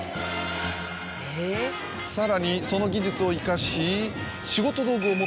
さらにその技術を生かし。